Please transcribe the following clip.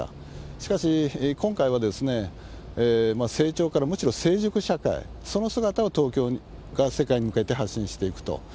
しかし、今回は成長から、むしろ成熟社会、その姿を東京が世界に向けて発信していくと。